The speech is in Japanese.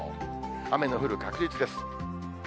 雨の降る確率です。